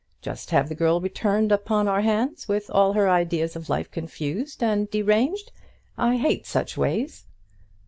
just have the girl returned upon our hands, with all her ideas of life confused and deranged. I hate such ways."